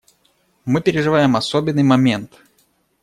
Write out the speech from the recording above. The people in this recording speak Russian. Мы переживаем особенный момент.